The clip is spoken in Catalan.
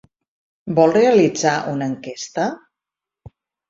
Vol realitzar una enquesta?